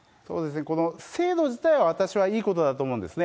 この制度自体は私はいいことだと思うんですね。